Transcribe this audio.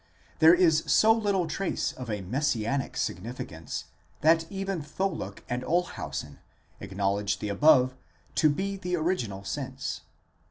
There is so little trace of a messianic signifi cance, that even Tholuck and Olshausen acknowledge the above to be the original sense.